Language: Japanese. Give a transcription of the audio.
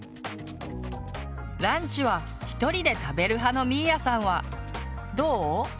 ランチは１人で食べる派のみーやさんはどう？